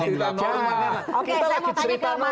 mas iswa tangkapannya bagaimana